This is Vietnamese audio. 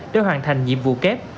để hoàn thành nhiệm vụ kép